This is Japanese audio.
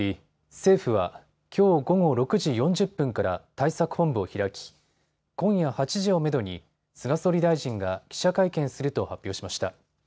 政府はきょう午後６時４０分から対策本部を開き今夜８時をめどに菅総理大臣が記者会見すると発表しました。